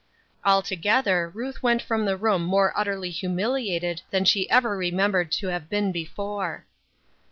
Altogether, Ruth went from the room more utterly humiliated than she ever remembered to have been before.